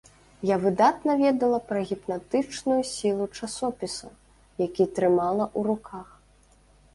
Я выдатна ведала пра гіпнатычную сілу часопіса, які трымала ў руках.